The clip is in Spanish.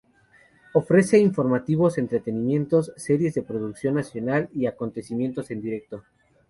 Ofrece informativos, entretenimiento, series de producción nacional y acontecimientos en directo.